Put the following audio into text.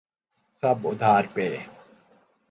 سب ادھار پہ۔